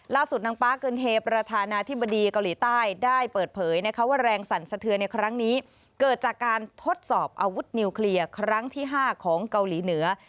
นางป๊าเกินเฮประธานาธิบดีเกาหลีใต้ได้เปิดเผยว่าแรงสั่นสะเทือนในครั้งนี้เกิดจากการทดสอบอาวุธนิวเคลียร์ครั้งที่๕ของเกาหลีเหนือ